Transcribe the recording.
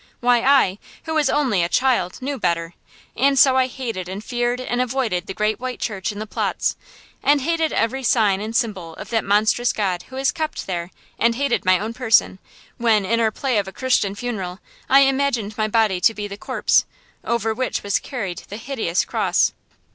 Why, I, who was only a child, knew better. And so I hated and feared and avoided the great white church in the Platz, and hated every sign and symbol of that monstrous god who was kept there and hated my own person, when, in our play of a Christian funeral, I imagined my body to be the corpse, over which was carried the hideous cross.